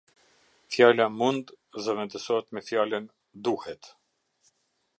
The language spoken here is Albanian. Fjala “mund” zëvendësohet me fjalën: “duhet”.